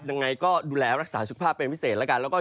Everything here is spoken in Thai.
ยังไงก็ดูแลรักษาสุขภาพเป็นพิเศษแล้วกัน